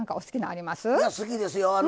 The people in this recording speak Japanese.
好きですよ。